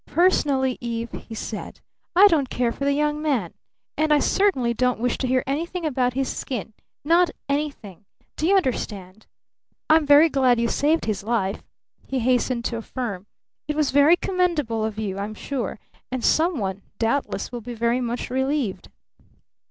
"Personally, Eve," he said, "I don't care for the young man. And I certainly don't wish to hear anything about his skin. Not anything! Do you understand? I'm very glad you saved his life," he hastened to affirm. "It was very commendable of you, I'm sure, and some one, doubtless, will be very much relieved.